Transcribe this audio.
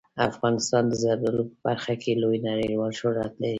افغانستان د زردالو په برخه کې لوی نړیوال شهرت لري.